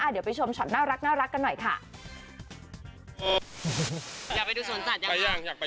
เดี๋ยวไปชมช็อตน่ารักกันหน่อยค่ะ